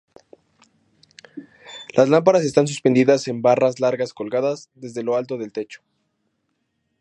Las lámparas están suspendidas en barras largas colgadas desde lo alto del techo.